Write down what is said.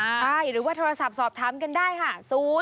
ใช่หรือว่าโทรศัพท์สอบถามกันได้ค่ะ